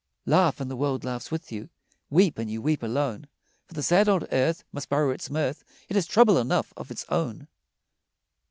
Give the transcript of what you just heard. Laugh, and the world laughs with you; Weep, and you weep alone; For the sad old earth Must borrow its mirth, It has trouble enough of its own.